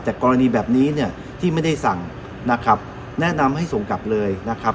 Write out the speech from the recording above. แต่กรณีแบบนี้เนี่ยที่ไม่ได้สั่งนะครับแนะนำให้ส่งกลับเลยนะครับ